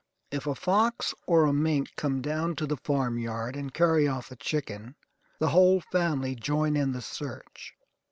If a fox or a mink come down to the farmyard and carry off a chicken, the whole family join in the search.